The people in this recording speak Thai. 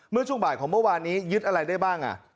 เมื่อช่วงบ่ายของเมื่อวานนี้ยึดอะไรได้บ้าง